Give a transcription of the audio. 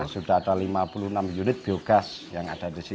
sudah ada lima puluh enam unit biogas yang ada di sini